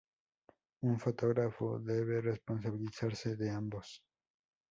Un fotógrafo debe responsabilizarse de ambos"".